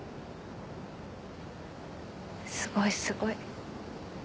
すごいすごい